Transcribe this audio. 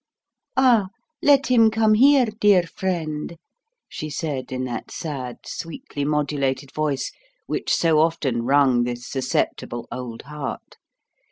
"Ah, let him come here, dear friend," she said in that sad, sweetly modulated voice which so often wrung this susceptible old heart.